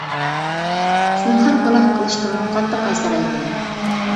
زىنھار گۇناھ قىلىشتىنمۇ قاتتىق ھەزەر ئەيلەيلى!